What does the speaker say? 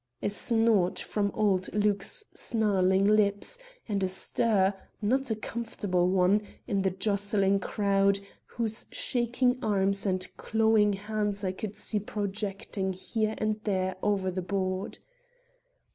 A snort from old Luke's snarling lips; and a stir not a comfortable one in the jostling crowd, whose shaking arms and clawing hands I could see projecting here and there over the board.